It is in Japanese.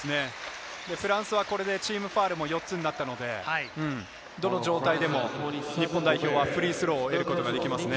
フランスはこれでチームファウルも４つになったので、どの状態でも日本代表はフリースローを得ることができますね。